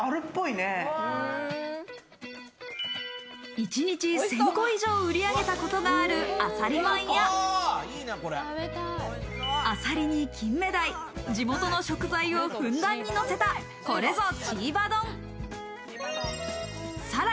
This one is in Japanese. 一日１０００個以上売り上げたことがある、あさりまんや、あさりに金目鯛、地元の食材をふんだんにのせた、これぞ・ちば丼。